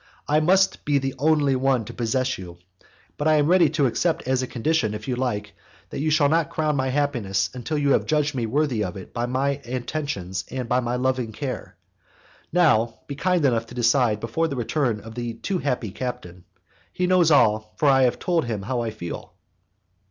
I must be the only one to possess you, but I am ready to accept as a condition, if you like, that you shall not crown my happiness until you have judged me worthy of it by my attentions and by my loving care. Now, be kind enough to decide before the return of the too happy captain. He knows all, for I have told him what I feel."